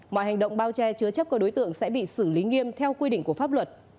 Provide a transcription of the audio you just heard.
mọi hành động bao che chứa chấp các đối tượng sẽ bị xử lý nghiêm theo quy định của pháp luật